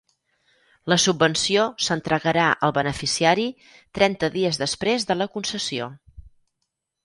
La subvenció s'entregarà al beneficiari trenta dies després de la concessió.